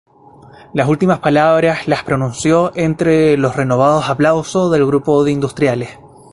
Las últimas palabras las pronunció entre los renovados aplausos del grupo de industriales.